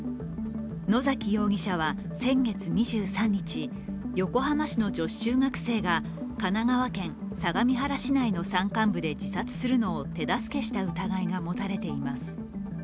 野崎容疑者は先月２３日、横浜市の女子中学生が神奈川県相模原市内の山間部で自殺するのを手助けした疑いが持たれています。